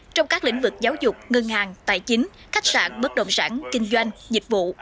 trong các lĩnh vực giáo dục ngân hàng tài chính khách sạn bất động sản kinh doanh dịch vụ